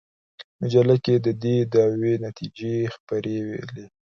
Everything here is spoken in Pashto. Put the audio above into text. مجله کې د دې دعوې نتیجې خپرولې.